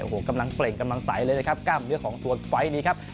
โอ้โหกำลังเปล่งกำลังใสเลยนะครับกล้ามเนื้อของตัวไฟล์นี้ครับ